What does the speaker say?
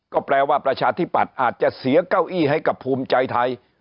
ก็แปลว่าประชาธิปัตย์อาจจะเสียเก้าอี้ให้กับภูมิใจไทย